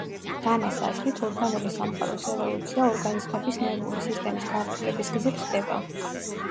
დანას აზრით, ორგანული სამყაროს ევოლუცია ორგანიზმების ნერვული სისტემის გართულების გზით ხდება.